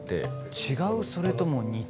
「違うそれとも似ている？」。